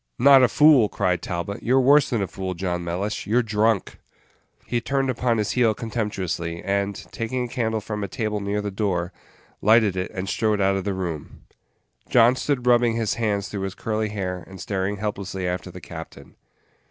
"Not a fool!" cried Talbot; "you're worse than a fool, John Mellish you're drunk!" He turned upon his heel contemptuously, and, taking a candle from a table near the door, lighted it, and strode out of the room, John stood rubbing his hands through his curly hair, and staring helplessly after the captain.